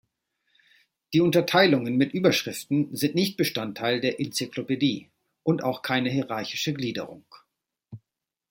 Die Unterteilungen mit Überschriften sind nicht Bestandteil der Enzyklopädie und auch keine hierarchische Gliederung.